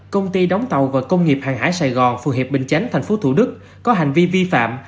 công ty đóng tàu và công nghiệp hàng hải sài gòn phù hiệp bình chánh tp thủ đức có hành vi vi phạm